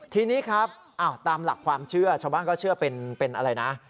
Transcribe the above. ทีนี้ครับตามหลักความเชื่อชาวบ้านก็เชื่อเป็นอะไรนะ